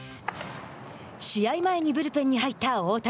試合前にブルペンに入った大谷。